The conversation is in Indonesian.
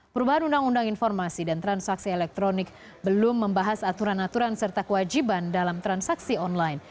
perubahan undang undang informasi dan transaksi elektronik belum membahas aturan aturan serta kewajiban dalam transaksi online